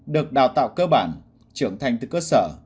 được đào tạo cơ bản trưởng thành từ cơ sở